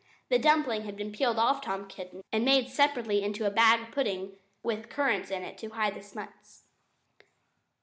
The dumpling had been peeled off Tom Kitten and made separately into a bag pudding, with currants in it to hide the smuts.